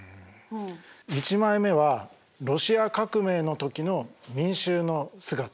１枚目はロシア革命の時の民衆の姿。